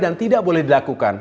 dan tidak boleh dilakukan